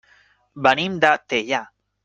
Venim de Teià.